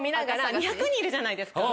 ２００人いるじゃないですか。